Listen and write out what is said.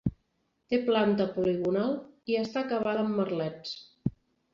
Té planta poligonal i està acabada amb merlets.